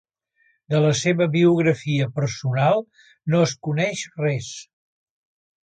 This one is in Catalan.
De la seva biografia personal no es coneix res.